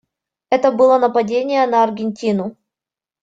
Это было нападение на Аргентину.